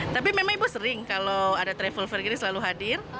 tapi memang ibu sering kalau ada travel fair gini selalu hadir